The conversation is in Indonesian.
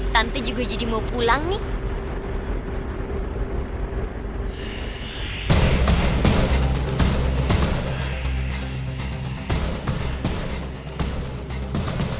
tante juga jadi mau pulang nih